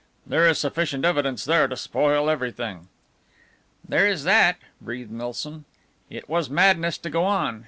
"There is sufficient evidence there to spoil everything." "There is that," breathed Milsom, "it was madness to go on.